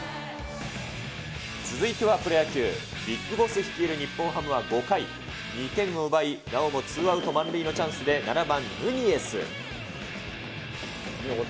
続いてはプロ野球、ＢＩＧＢＯＳＳ率いる日本ハムは５回、２点を奪い、なおもツーアウト満塁のチャンスで７番ヌニエス。